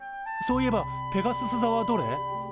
そういえばペガスス座はどれ？